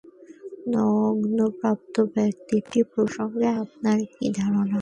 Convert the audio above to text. নগ্নগাত্র ব্যক্তিটি প্রসঙ্গে আপনার কী ধারণা?